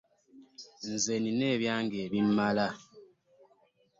Nze nnina ebyange ebimmala.